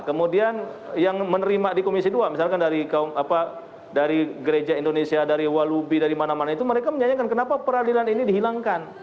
kemudian yang menerima di komisi dua misalkan dari gereja indonesia dari walubi dari mana mana itu mereka menyanyikan kenapa peradilan ini dihilangkan